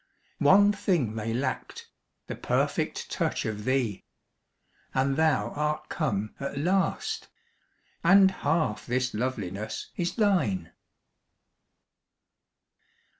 One thing they lacked: the perfect touch Of thee and thou art come at last, And half this loveliness is thine.